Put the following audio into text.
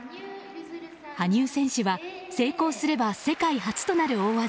羽生選手は成功すれば世界初となる大技